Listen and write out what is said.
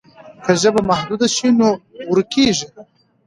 که ژبه محدوده شي نو ورکېږي.